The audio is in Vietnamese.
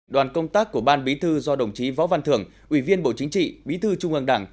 đoàn công tác của ban bí thư do đồng chí võ văn thưởng ủy viên bộ chính trị bí thư trung ương đảng